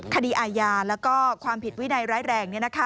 คดีอาญาแล้วก็ความผิดวินัยร้ายแรง